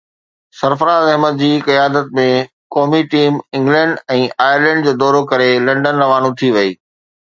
سرفراز احمد جي قيادت ۾ قومي ٽيم انگلينڊ ۽ آئرلينڊ جو دورو ڪري لنڊن روانو ٿي وئي